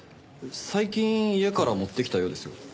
最近家から持ってきたようですよ。